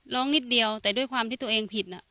นิดเดียวแต่ด้วยความที่ตัวเองผิดน่ะ